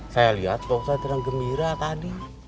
saya liat dong saya terang gembira tadi